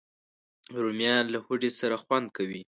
رومیان له هوږې سره خوند کوي